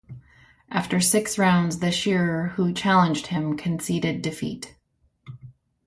After six rounds the shearer who challenged him conceded defeat.